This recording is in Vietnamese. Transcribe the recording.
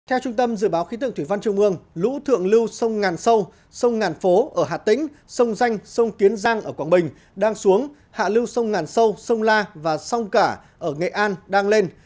theo trung tâm dự báo khí tượng thủy văn trung ương lũ thượng lưu sông ngàn sâu sông ngàn phố ở hà tĩnh sông danh sông kiến giang ở quảng bình đang xuống hạ lưu sông ngàn sâu sông la và sông cả ở nghệ an đang lên